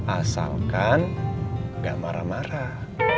asalkan gak marah marah